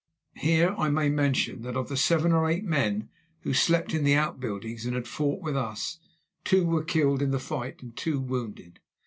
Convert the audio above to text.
Here I may mention that of the seven or eight men who slept in the outbuildings and had fought with us, two were killed in the fight and two wounded.